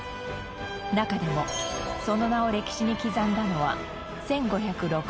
中でもその名を歴史に刻んだのは１５６０年。